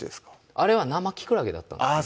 あれは生きくらげだったんであ